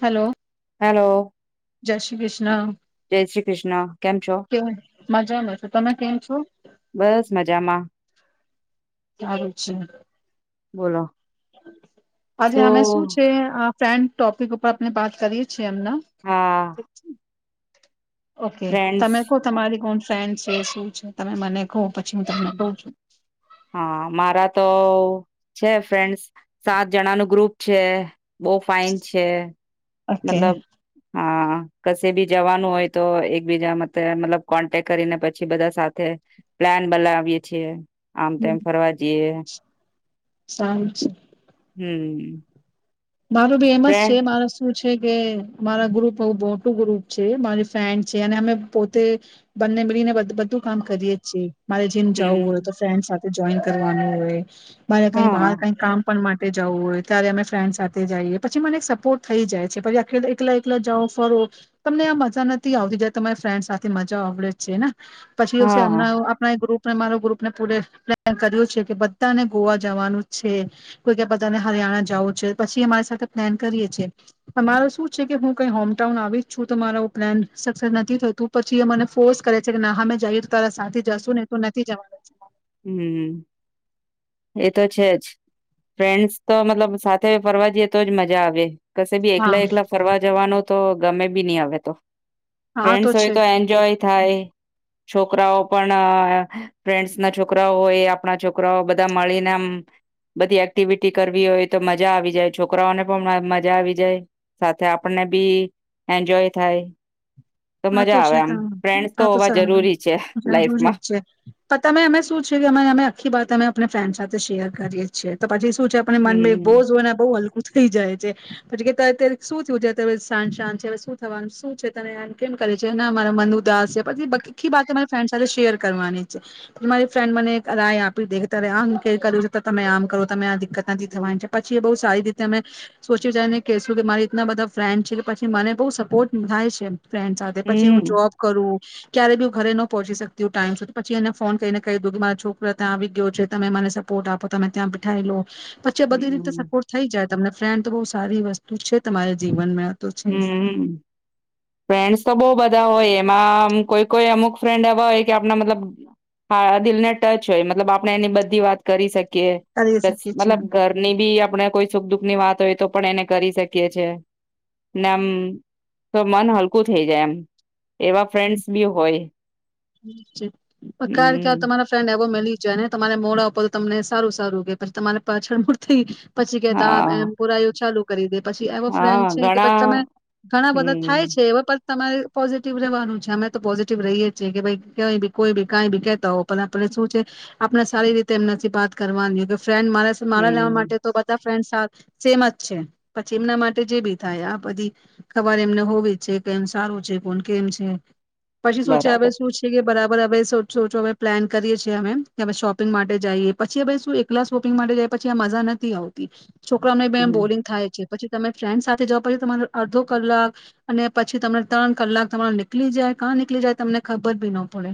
Hello. Hello. જય શ્રી કૃષ્ણ. જય શ્રી કૃષ્ણ. કેમ છો? કેવ મજામાં છો તમે કેમ છો બસ મજામાં. સારું છે. બોલો આજે તો અમે શું છે આ ફ્રેન્ડ ટોપિક ઉપર આપણે વાત કરીએ છી એમના હા ઓકે, ફ્રેન્ડસ તમે કહો તમારી કોણ ફ્રેન્ડ છે? શું છે? તમે મને કહો. પછી હું તમને કહું છું હા, મારા તો છે. ફ્રેન્ડસ સાત જણા નું ગ્રુપ છે. બહું ફાઇન છે ઓકે મતલબ હા, કશે બી જવાનું હોય તો એકબીજામાં મતલબ કોન્ટેક કરીને પછી બધા સાથે પ્લાન બલા વીએ છીએ. આમ તો એમ ફરવા જઈએ. સાંજ હમ્મ. મારો ભી એમજ છે મારા શું છે કે મારા ગ્રુપ બહુ મોટું ગ્રુપ છે. મારી ફેન્ડ છે અને અમે પોતે બંને મળીને બ-બધું કામ કરીએ છીએ. મારે જેમ જવું હોય હમ તો ફ્રેન્ડ સાથ જોઈન કરવાનું હોય. મારે કઈ બહાર હા કઈ કામ કમ માટે જવું હોય ત્યારે અમે ફ્રેન્ડ સાથે જઈએ પછી મને એક સપોર્ટ થઈ જાય છે પછી એ આ એકલા એકલા જાઓ ફરો તમને આ મજા નથી આવતી જાય તમારી ફ્રેન્ડ સાથે મજા આવડે જ છે ને પછી એ છે હા અમના આપણા ગ્રુપ પણ મારો ગ્રુપ ને પૂરે પ્લેન કર્યું છે કે બધાને ગોવા જવાનું જ છે. કોઈ કે બધાને હરિયાણા જવું છે. પછી અમારી સાથે પ્લાન કરીએે છે. તમારો શું છે કે હું કઈ હોમટાઉન આવી જ છું તો મારો પ્લાન સક્સેસ નથી થતું પછી એ મને ફોર્સ કરે છે કે ના હા મેં જાઈએ તો તારા સાથે જાશું નઈ તો નથી જાવાનું હમ એ તો છે જ ફ્રેન્ડસ તો મતલબ સાથે ફરવા જઈએ તો જ મજા આવે. કસેબી એકલા હા એકલા ફરવા જવાનો તો ગમે બી નહી અવે તો. આ ફ્રેન્ડ્સ હોય છે તો એન્જોય થાય. છોકરાઓ પણ ફ્રેન્ડસ ના છોકરાઓ હોય આપણા છોકરાઓ બ બધા મળીને આમ બધી એક્ટિવિટી કરવી હોય તો મજા આવી જાય છોકરાઓને પણ મજા આવી જાય સાથે આપણને બી એન્જોય થાય. આ તો મજા આવે છે ત આમ ફ્રેન્ડસ આ તો હોવા સારું જરૂરી છે જરૂરી લાઈફમાં જ છે પણ તમે અમે શું છે કે અમે અમે આખી બાત અમે આપણે ફ્રેન્ડ સાથે શેર કરીએ છીએ તો પછી હું છે અપને મન મે બોજ હમ હોના બોવ હલ ઉઠતી જાય છે પછી કે તે અત્યારે શું થયું છે તે અવે શાંત શાંત છે શું થવાનું શું છે તને કેમ કરે છે ના મારા મન ઉદાસ છે પછી આખી બાત મારી ફ્રેન્ડ સાથે શેર કરવાની છે. મારી ફ્રેન્ડ મને એક રાય આપી દેખ ત આમ કે કરું છે તમે આમ કરો તમે આ દિક્ક ફ્રેન્ડ સાથે પછી હું હમ જોબ કરું ક્યારે બી હું ઘરે ન પહોંચી શકતી ટાઈમ સુધી પછી એને ફોન કરીને કહી દઉ કે મારા છોકરા ત્યાં આવી ગયો છે તમે મને સપોર્ટ આપો તમે ત્યાં બેઠાઈ લો પછી એ બધી રીતે હમ સપોર્ટ થઈ જાય. તમને ફ્રેન્ડ તો બહું સારી વસ્તુ છે તમારા જીવનમાં. તો છે હમ ફ્રેન્ડ્સ તો બહું બધા હોય એમાં કોઈ કોઈ અમુક ફ્રેન્ડ એવા હોય કે આપણા મતલબ દિલને ટચ હોય મતલબ આપણે એની બધી વાત કરી શકીએ. કરી કે બસ શકીએ છીએ. મતલબ ઘરની ભી આપણે કોઈ સુખ દુઃખ ની વાત હોય તો પણ એને કરી શકીએ છે. નમ તો મન હલકું થઇ જાય એમ. એવા ફ્રેન્ડ્સ બી હોય [inaudible] પ ક્યારે ક હમ તમારા ફ્રેન્ડ એવો મેલી જોને તમારે મોડ આપો તો તમને સારું સારું કે પછી તમારે પાછળ મૂળ થી પછી કેતા હા એમ પુરાઈઓ ચાલુ કરી દે. પછી એવા ફ્રેન્ડ હા છે કે ઘણા પછી તમે ઘણા બધા થાય હમ છે એવા પણ તમારે પોઝિટિવ રહેવાનું છે. અમે તો પોઝિટિવ રહીએ જેમ કે ભાઈ કાઈ બી કોઈ બી કાઈ બી કેતા હોવ પણ આપણે શું છે. આપણે સારી રીતે એમનાથી બાત કરવાની. ફ્રેન્ડ મારે મારા લેવા હમ માટે તો બધા ફેન્ડસ આ સેમ જ છે પછી એમના માટે જે બી થાય આ બધી ખબર એમને હોવી જ છે કેમ સારું છે કોણ કેમ છે. પછી શું અવે બરાબર શું છે કે બરા બર એ સોચો અવે હવે પ્લાન કરીએ છીએ અમે અવે શોપિંગ માટે જાઈએ પછી હ શું એકલા શોપિંગ માટે જઈ પછી આ મઝા નથી આવતી. છોકરાઓને બે એમ હમ બોરિંગ થાય છે. પછી તમે ફ્રેન્ડ સાથે જાવ પછી તમારો અડધો કલાક અને પછી તમને ત્રણ કલાક તમારો નીકલી જાય કા નીકલી જાય તમને ખબર બી નો પડે.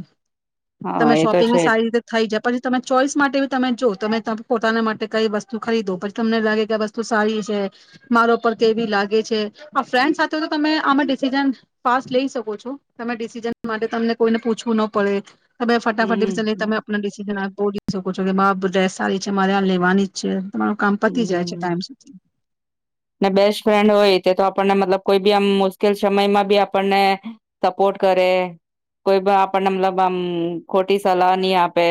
હા તમે એ તો શોપિંગની છે જ સારી રીતે થઈ જાય પછી તમે ચોઈસ માટે બી તમે જો તમે પોતાના માટે કઈ વસ્તુ ખરીદો પછી તમને લાગે કે આ વસ્તુ સારી છે મારો પર કેવી લાગે છે આ ફ્રેન્ડ સાથે તો તમે આમાં ડિસિજન ફાસ્ટ લઈ શકો છો તમે ડિસઝન. માટે તમને કોઈને પૂછવું ન પડે. તમે ફટાફટ હમ [unintelligible] તમે [unintelligible] ડિસિઝન આપ બોલી શકો છો કે મા ડ્રેસ સારી છે મારે આ લેવાની જ છે. તમારું કામ પતી જાય છે હમ ટાઈમ સુધી. ને બેસ્ટ ફ્રેન્ડ હોય તે તો આપણને મતલબ કોઈ બી આમ મુશ્કેલ સમયમાં બી આપણને સપોર્ટ કરે કોઈ બી આપણને મતલબ આમ ખોટી સલાહ ની આપે.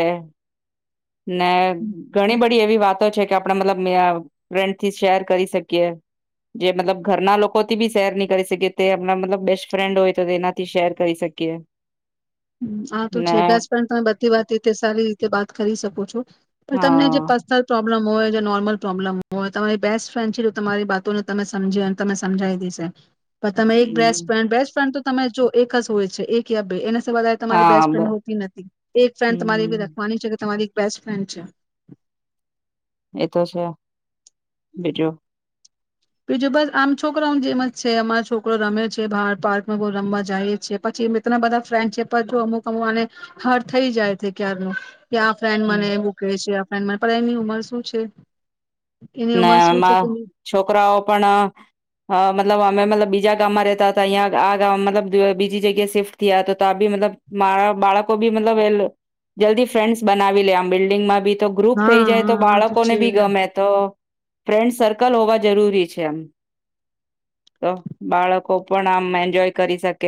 ને ઘણી બડી એવી વાતો છે કે આપણા મતલબ મે આ ફ્રેન્ડ થી શેર કરી શકીએ જે મતલબ ઘરના લોકોથી બી શેર ની કરી શકીએ તે આપણા મતલબ બેસ્ટ ફ્રેન્ડ હોય તો તેનાથી શેર કરી શકીએ. આ તો ને છે બ્યાસ પણ તમે બધી વાત રીતે સારી રીતે બાત કરી શકો છો. તમને જે હા પર્સનલ પ્રો બ્લમ હોય નોર્મલ પ્રોબ્લેમ હોય તમારી બેસ્ટ ફ્રેન્ડ છે તમારી બાતોને તમે સમજે તમને સમજાવી દેસે. પણ તમે એક બેસ્ટ હમ ફ્રેન્ડ બેસ્ટ ફ્રેન્ડ તો તમે જો એક જ હોય છે એક યા બે એના એનાથી વધારે તમારી હા બેસ્ટ બ ફ્રેન્ડ હોતી નથી એક ફ્રેન્ડ તમારે એવી હમ રાખવાની છે કે તમારી બેસ્ટ ફ્રેન્ડ છે. એતો છે. બીજું. બીજું બસ આમ છોકરા ઓન જેમ જ છે અમારા છોકરો રમે છે બહાર પાર્કમાં બહુ રમવા જાય છે પછી મિતના બધા ફ્રેન્ડ છે પણ અમુક અમુક આને હાર થઈ જાય છે ક્યારનું કે આ ફ્રેન્ડ મને મૂકે છે. પણ એમની ઉંમર શું છે? એની ઉંમર ના શું છે એમાં કે છોકરાઓ પણ મતલબ અમે મતલબ બીજા ગામમાં રેતા હતા ઈય આ ગામ અ બીજી જગ્યા શિફ્ટ થીયા તો બી મતલબ મારા બાળકો બી મતલબ એ જલ્દી ફ્રેન્ડસ બનાવી લે આમ બિલ્ડંગમાં બી તો ગ્રુપ હા થઈ જાય હા તો હા બાળકોને છે બી ગમે તો ફ્રેન્ડ સર્કલ હોવા જરૂરી છે આમ તો બાળકો પણ આમ એન્જોય કરી શક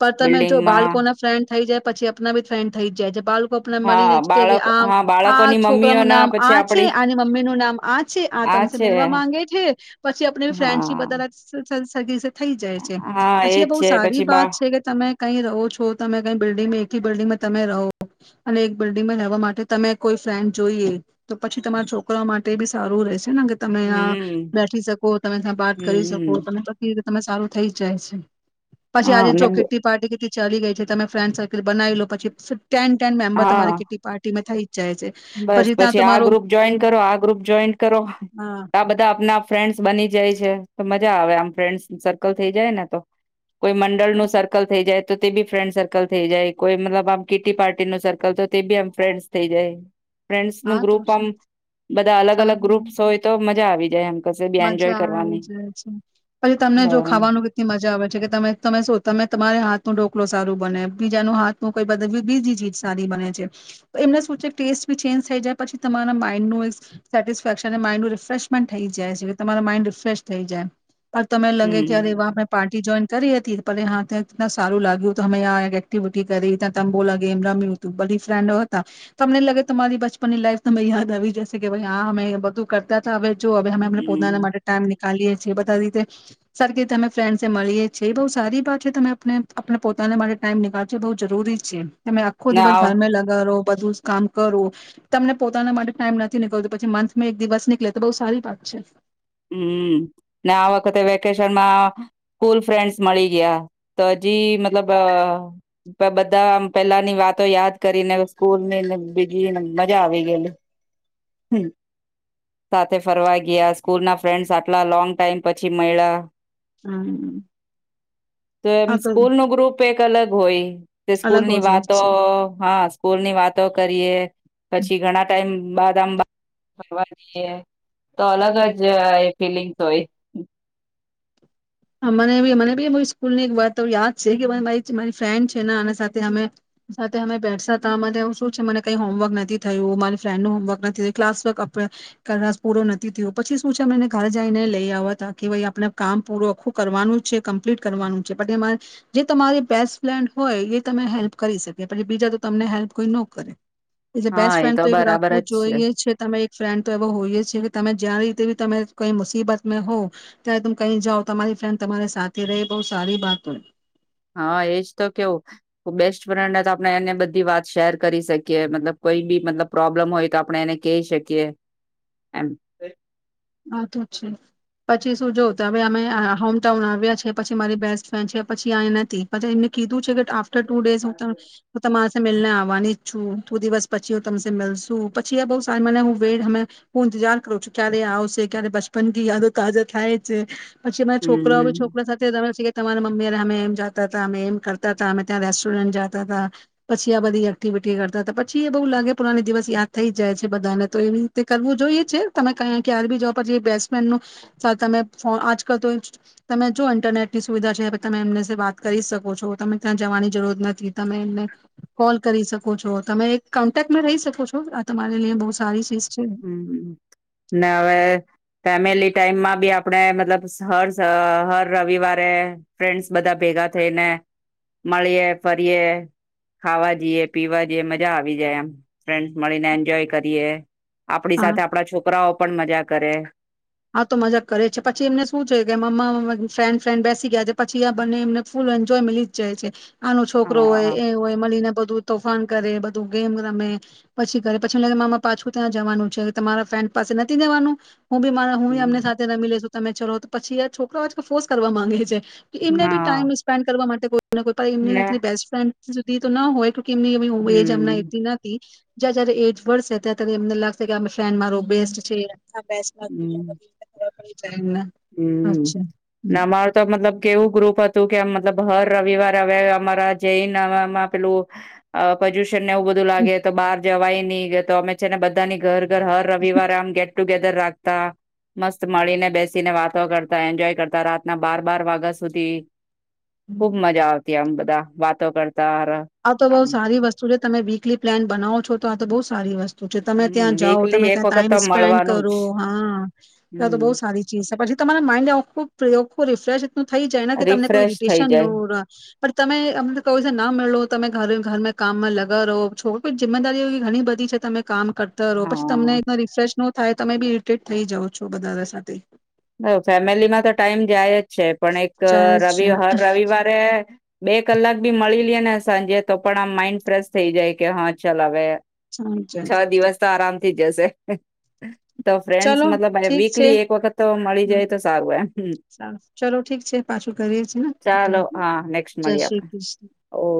પણ તમે જો બાલકો ના ફ્રેન્ડ થઈ જાય પછી આપના બી ફ્રેન્ થઈ જાય છે બા આપને મળીને હા જ કે બાળક આમ હા આ બાળકોની છોકરા નું મમ્મીઓના નામ આ પછી છે આપડી આની મમ્મી નું નામ આ છે આ તમ મલવા માંગે છે પછી આપણી હા ફ્રેન્ડપ બ [inaudible] થઈ જાય છે હા પછી એ એજ બહ છે સારી પછી બા વાત છે કે તમે કઈ રહો છો તમે કઈ બિલ્ડિંગમાં એકી બિલ્ડિંગમાં તમે રહો અને એક બિલ્ડિંગમાં લેવા માટે તમે કોઈ ફ્રેન્ડ જોઈએ તો પછી તમારા છોકરા માટે બી સારું રહેશે ને કે તમે હમ બેઠી શકો તમે ત્યાં હમ બાત કરી શકો હમ તમે પછી તમે સારું થઈ જાય છે પછી હા આજે ચ અને ખિટી પાર્ટી ચલી ગઈ છે તમે ફ્રેન્ડ સર્કલ બનાવી લો પછી ટેન ટેન મેમ્બર તમારે હા કિટ્ટી પાર્ટીમાં થાય બસ પછી આ ગ્રુપ જોઈન કરો આ ગ્રુપ જોઈન કરો હા આ બધા આપના ફ્રેન્ડ્સ બની જાય છે તો મજા આવે આમ ફ્રેન્ડ્સ સર્કલ થઈ જાય ને તો કોઈ મંડળનું સર્કલ થઈ જાય તો તે બી ફ્રેન્ડ સર્કલ થઈ જાય કોઈ મતલબ આમ કીટી પાર્ટી નું સર્કલ તો તે બી આમ ફ્રેન્ડસ થઈ જાય ફ્રેન્ડ્સ નું હા તો ગ્રુપ આમ બધા અલગ અલગ સારું ગ્રુપ્સ હોય તો મજા આવી જાય એમ કશે બી એન્જોય મજા આવી કરવાની જાય છે પછી તમને બ જો ખાવાનું કેટલી મજા આવે છે કે ત તમે શું તમે તમારે હાથ નું ઢોકલો સારું બને બીજાનું હાથું કોઈ બ બીજી ચીજ સારી બને છે તો એમને શું છે ટેસ્ટ બી ચેન્જ થઈ જાય પછી તમારા માઇન્ડનુંું સેટિસ્ફેક્શન અને માઇન્ડનુંું રિફ્રેશમેન્ટ થઈ જાય જાય છે કે તમારા માઇન્ડ રિફ્રેશ થઈ જાય તમને લગે કે યાર એવા હમ મે પાટી જોઈન કરી હતી હા ત્યાં સારું લાગ્યું તો અમે આ એક્ટિવિટી કરી ત્યાં ત બોલા એમ રમ્યું હતું બધી ફ્રેન્ડો હતા તમને લાગે તમારી બચપનની લાઈફ તમે યાદ આવી જશે કે ભ હા અમે બધું કરતા હતા હવે મેમ પોતાના હમ માટે ટાઈમ ચાલીએ છીએ બધા રીતે સરખી અમે ફ્રેન્ડને મળીએ છીએ બહુ સારી વાત છે તમે પોતાને માટે ટાઈમ નીકળશો બહુ જરૂરી છે તમે આખો દીિવત ના ઘરમે લગાવો બધું કામ કરવું તમને પોતાના માટે ટાઈમ નથી નીકળતો પછી મંથ માં એક દિવસ નીકળે તો બહ સારી પા અચ્છા હમ ને આ વખતે વેકેશનમાં સ્કૂલ ફ્રેન્ડસ મળી ગયા તો હજી મતલબ બધા પેલાની વાતો યાદ કરીને સ્કૂલની બીજી મજા આવી ગયેલી સાથે ફરવા ગયા સ્કૂલ ના ફ્રેન્ડસ આટલા લોંગ ટાઈમ પછી મળ્યા હમ્મ. તો એમ સ્કૂલ ન ગ્રુપ એક અલગ હોય કે અલગ સ્કૂલની હોજો જ વાતો હોય છે. હા સ્કૂલની વાતો કરીએ પછી ઘણા ટાઈમ ં બાાદંબા ખાવા જઈએ તો અલગ જ એ ફિલિંગ તો હોય મને મને બી સ્કૂલ ની એક વાત યાદ છે કે મારી ફ્રેન્ડ છે ને સાથે અમે સાથે અમે બેઠસા હતા મને શું છે મને કઈ હોમવર્ક નથી થયું મારી ફ્રેન્ડ નું હોમવર્ક નથી થયું ક્લાસ વર્ક પૂરો નથી થયો પછી શું છે એને ઘરે જઈને લઈ આવવા હતા કે ભાઈ આપણે કામ પૂર આખું કરવાનું જ છે કમ્પ્લીટ કરવાનું છે પછી જે તમારી બેસ્ટ ફ્રેન્ડ હોય એ તમે હેલ્પ કરી શકી પછી બીજા તો તમને હેલ્પ કોઈ ન કરે એટલે હા બેસ્ટ એ ફ્રેન્ડ તો એક બરાબર જ રાખવું જોઈએ છે તમે એક ફ્રેન્ડ તો એવો હોઈએ છે કે તમે જ્યાં તે તમે કઈ મુસીબત મેં હો ત્યા તમ કઈ જાઓ તમારી ફ્રેન્ડ તમારી સાથે રહે બહુ સારી બાત હોય. હા, એજ તો કેવું બેસ્ટ ફ્રેન્ડ તો આપને એને બધી વાત શેર કરી શકીએ મતલબ કોઈ બી મતલબ પ્રોબ્લમ હોય તો આપડે એને કહી શકીએ એમ. આ તો છે પછી શું જો તો હવે અમે હોમટાઉન આવ્યા છે પછી મારી બેસ્ટ ફ્રેન્ડ છે પછી આ નથી પછી એમને કીધું છે કે આફ્ટર ટુ ડેઝ હું ત તો તમાર તો મિલને આવવાની જ છું. ટુ દિવસ પછી હું તમસે મિલ્શુ પછી અહ બહુ સારી મને હું વેડ હું ઇન્તજાર કરું છું ક્યારે આવ એ ક્યારે બચપન કી યાદો તાજા થાય છે. પછી અમા છોકરા બી હમ છોકરા સાથે રમે સી કાઈ તમારા મમ્મીને અમે એમ જાતા હતા અમે એમ કરતા હતા અમે ત્યાં રેસ્ટોરન્ટ જતા હતા પછી આ બધી એક્ટિવિટી કરતા હતા પછી એ બહુ લાગે પુરાની દિવસ યાદ થઈ જાય છે બધાને તો એવી રીતે કરવું જોઈએ છે તમે ક ક્યાર બી જોબ પછી બેસ્ટ ફ્રેન્ડ નું તમે ફો આજકાલ તો તમે જો ઇન્ટરનેટ ની સુવિધા છે તમે એમને વાત કરી શકો છો. તમે ક્યાં જવાની જરૂરત નથી તમે એમને કોલ કરી શકો છો તમે એક કોન્ટેકમાં રહી શકો છો આ તમારે લઈ બહુ સારી ચીઝ હમ્મ. ના હવે ફેમિલી ટાઈમમાં બી આપડે મતલબ હર સ હર રવિવારે ફ્રેન્ડ્સ બધા ભેગા થઈને મલીએ ફરીએ ખાવા જઈએ પીવા જઈએ મજા આવી જાય એમ ફ્રેન્ડ્સ મળીને એન્જોય કરીએ આપડી હા સાથે આપડા છોકરાઓ પણ મજા કરે. આ તો મજાક કરે છે પછી એમને શું છે કે મમા મા ફ્રેન્ડ ફ્રેન્ડ બેસી ગયા છે પછી આ બંને એમને ફૂલ એન્જોય મલી જ જાય છે. આનું છોકરો હોય હા એ હોય મલીને બધુ તોફાન કરે, બધું ગેમ રમે પછી કરે પછી મામા પાછું ત્યાં જવાનું છે તમારા ફ્રેન્ડ પાસે નથી જવાનું ઉં બી મા હુંય એમની હમ. સાથે રમી લેશું તમે ચલો તો પછી આ છોકરો આજ ફોર્સ કરવા માંગે છે એમને બી હા ટાઈમ સ્પેન્ડ કરવા માટે [unintelligible] ને એમની [unintelligible] બેસ્ટ ફ્રેન્ડ સુુદી તો ન હોય કેમની એ હું બે એ જમના હમ એટલી નથી જ્યાં જયારે એજ વર્ષે ત ત્યારે એમને લાગશે કે અ ફ્રેન્ડ મારો બેસ્ટ છે હ બેસ માતી હમ [unintelligible] [inaudible] હમ અચ્છા ના અમારું તો મતલબ કેવું ગ્રુપ અ તુ કે મતલબ હર રવિવારે હવે અમારા જૈનમાં પેલું અ પજુ ને એવું બધું લાગે તો બાર જવાય ની ગ તો અમે છે ને બધાની ઘર હર રવિવાર આમ ગેટ ટુગે જ રાખતા મસ્ત મળીને બેસ છે ને વાતો કરતા એન્જોય કરતા રાતના બાર બાર વાગા સુધી ખુબ મજા આવ તે એમ બધા વાતો કર આ તો બઉુ સારી વસ્તુ છે તમે વીકલી પ્લાન બનાવો છો તો આ તો બહુ સારી વસ તું છે. તમે હમ ત્યાં જાઓ વીકલી તમે એક ત્યાં વખત ટાઈમ તો સ્પેન્ડ મળવાનું જ કરો હા આ તો બહુ હમ સારી ચીજ છે પછી તમારા માઇન્ડ એ ખૂબ પ્રયોગ રિસર્જ થઈ જાય ને કે તમને કોઈ રિફ્રેશ થઈ ઇરિટેશન જાય નું ર પણ તમે અમને કઈ સે ના મેળવો ઘરે ઘર મેં કામમાં લગા રહો છો જિમ્મેદારીઓ ઘણી બધી છે તમે કામ કરતા રહો પછી તમને હા ઇતના રિફ્રેશનો થાય તમે બી ઇરિટેટ થઇ જાઓ છો બધા સાથે. હ ફેમિલી માં તો ટાઈમ જાય જ છે પણ એક જાય રવિ છે હર રવિવારે બે કલાક ભી મળી રહીએ ને સાંજે તો પણ આમ માઈન્ડ ફ્રેશ થઈ જાય કે હા ચલ હવે છું છે થઈ જશે. તો ફ્રેન્ડસ ચલો મતલબ ઠીક છે વીકલી એક વખત તો મળી હમ, જાય તો સારું એમ સારું ચલો ઠીક છે પાછું કરીએ છે ને, ચાલો હા નેક્સ્ટ જય મળીએ શ્રી આપણે કૃષ્ણ. ઓ